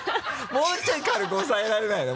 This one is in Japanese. もうちょい軽く押さえられないの？